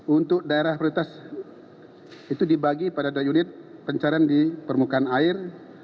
untuk daerah prioritas itu dibagi pada dua unit pencarian di permukaan air